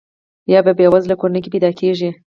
یا په بې وزله کورنۍ کې پیدا کیږي.